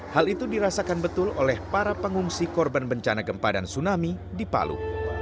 hal itu dirasakan betul oleh para pengungsi korban bencana gempa dan tsunami di palu